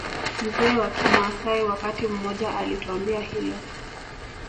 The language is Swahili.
Mzee wa kimaasai wakati mmoja alituambia hilo